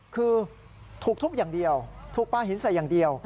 คือถูกทุบอย่างเดียวถูกปลาหินใส่อย่างเดียว